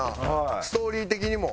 ストーリー的にも。